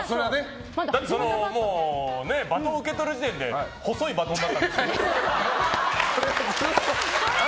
だってバトンを受け取る時点で細いバトンだったんですから。